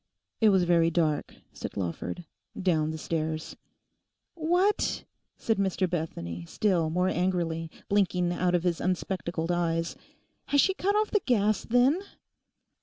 'It was very dark,' said Lawford, 'down the stairs.' 'What!' said Mr Bethany still more angrily, blinking out of his unspectacled eyes; 'has she cut off the gas, then?